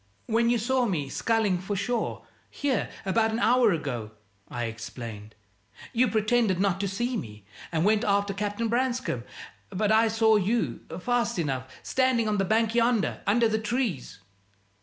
"When you saw me sculling for shore, here, about an hour ago," I explained, "you pretended not to see me, and went after Captain Branscome; but I saw you, fast enough, standing on the bank yonder, under the trees."